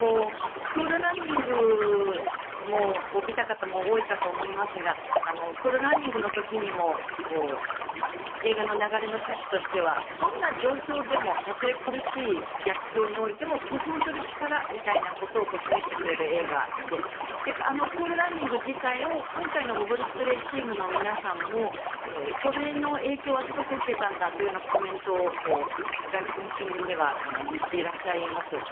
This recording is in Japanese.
「クール・ランニング」を見た方も多いかと思いますが「クール・ランニング」の時にも映画の流れの趣旨としてもどんな状況でもたとえ苦しい逆境においても工夫する力みたいなことを示してくれる映画であの「クール・ランニング」自体を今回のボブスレーチームの皆さんもそれの影響はすごく受けたんだというコメントを外国の新聞では言っていらっしゃいます。